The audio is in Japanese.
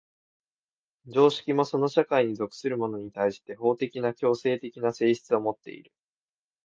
常識もその社会に属する者に対して法的な強制的な性質をもっている。